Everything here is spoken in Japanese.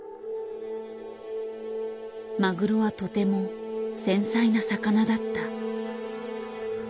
マグロはとても繊細な魚だった。